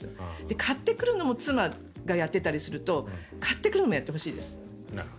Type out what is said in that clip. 買ってくるのも妻がやっていたりすると買ってくるのもやってほしいです。